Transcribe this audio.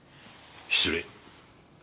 失礼。